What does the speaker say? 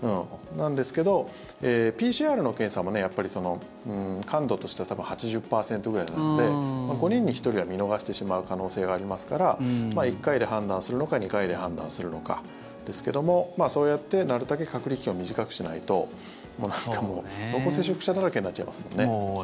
なんですけど、ＰＣＲの検査も感度としては８０％ぐらいなので５人に１人は見逃してしまう可能性がありますから１回で判断するのか２回で判断するのかですけどもそうやってなるたけ隔離期間を短くしないとなんかもう濃厚接触者だらけになっちゃいますもんね。